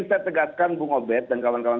saya tegaskan bung obed dan kawan kawan